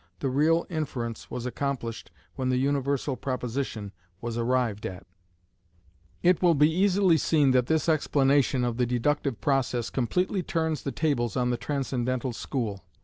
The real inference was accomplished when the universal proposition was arrived at. It will easily be seen that this explanation of the deductive process completely turns the tables on the transcendental school.